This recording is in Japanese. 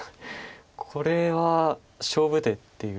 これは勝負手っていう。